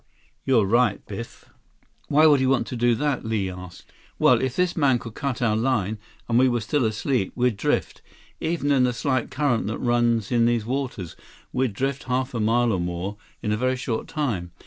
"You're right, Biff." "Why would he want to do that?" Li asked. "Well, if his man could cut our line, and we were still asleep, we'd drift. Even in the slight current that runs in these waters, we'd drift half a mile or more in a very short time.